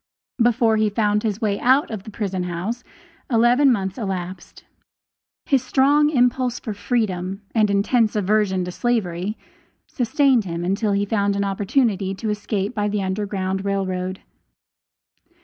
Before he found his way out of the prison house eleven months elapsed. His strong impulse for freedom, and intense aversion to slavery, sustained him until he found an opportunity to escape by the Underground Rail Road.